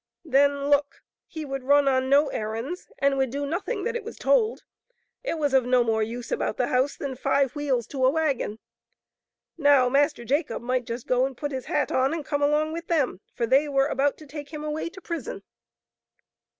Then look ! He would run on no errands, and would do nothing that it was told. It was of no more use about the house than five wheels to a wagon. Now Master Jacob might just go and put his hat on and come along with them, for they were about to take him away to prison.